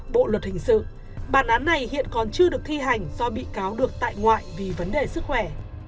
bộ luật hình sự bản án này hiện còn chưa được thi hành do bị cáo được tại ngoại vì vấn đề sức khỏe